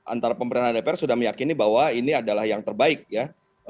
antara pemerintah dan dpr sudah meyakini bahwa ini adalah yang terbaik ya